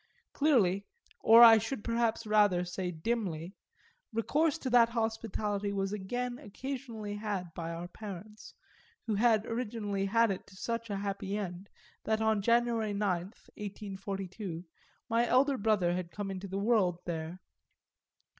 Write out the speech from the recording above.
Clearly or I should perhaps rather say dimly recourse to that hospitality was again occasionally had by our parents; who had originally had it to such a happy end that on January 9th, 1842, my elder brother had come into the world there.